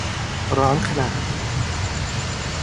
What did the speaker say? ร้อนขนาด